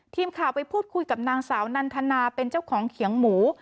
ทีมข่าวไปพูดคุยกับนางสาวนันทนาเป็นเจ้าของเขียงหมู